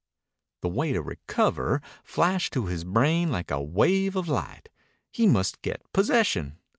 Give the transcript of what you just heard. The way to recover flashed to his brain like a wave of light. He must get possession.